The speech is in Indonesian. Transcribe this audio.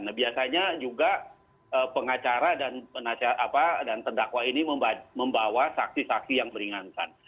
nah biasanya juga pengacara dan terdakwa ini membawa saksi saksi yang meringankan